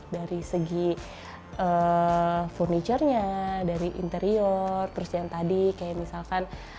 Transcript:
dari segi furniture nya dari interior terus yang tadi kayak misalkan